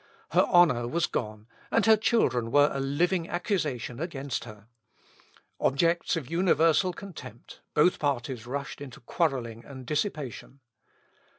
Her honour was gone, and her children were a living accusation against her. Objects of universal contempt, both parties rushed into quarrelling and dissipation.